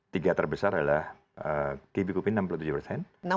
tiga terbesar adalah kb kuping enam puluh tujuh persen